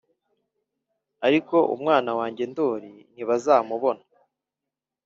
ariko umwana wange ndoli ntibazamubona.